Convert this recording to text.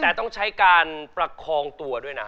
แต่ต้องใช้การประคองตัวด้วยนะ